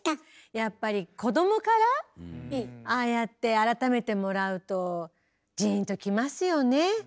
やっぱり子供からああやって改めてもらうとじんときますよね。